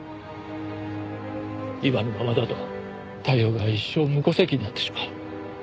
今のままだと太陽が一生無戸籍になってしまう。